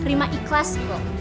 rima ikhlas bu